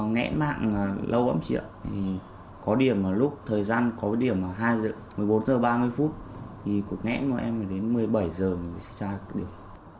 nghẽn mạng lâu lắm chị ạ có điểm lúc thời gian có điểm là một mươi bốn giờ ba mươi phút thì cuộc nghẽn của em đến một mươi bảy giờ mình sẽ tra được điểm